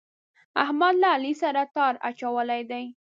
احمد له علي سره تار اچولی دی.